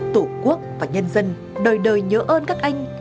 tổ quốc và nhân dân đời đời nhớ ơn các anh